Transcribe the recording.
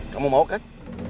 kamu mau kan